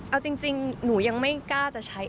เอาจริงหนูยังไม่กล้าจะใช้